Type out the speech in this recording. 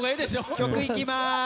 曲いきます。